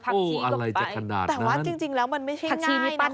ผักชีก่อนไปโอ้อะไรจากขนาดนั้นแต่ว่าจริงจริงแล้วมันไม่ใช่ง่ายน่ะคุณ